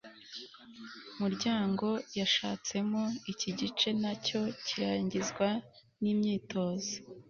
muryango yashatsemo. iki gice na cyo kirangizwa n'imyitozo